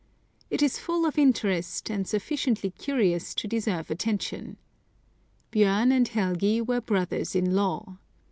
It is full of interest, and sufficiently I curious to deserve attention. Bjorn and Helgi were brothers in law.